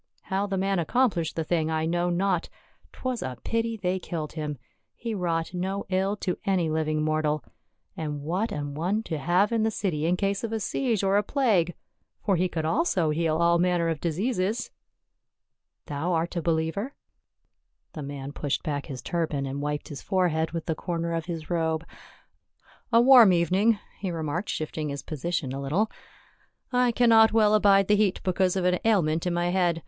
How the man accomplished the thing I know not ; 't was a pity they killed him ; he wrought no ill to any living mortal, and what an one to have in the city in case of a siege or a plague — for he could also heal all manner of diseases," "Thou art a believer?" ^^1 UL ly JER VSALEM. 135 The man pushed back his turban and wiped his forehead with the corner of his robe. ' A warm even ing," he remarked, shifting his position a httle. " I cannot well abide the heat because of an ailment in my head.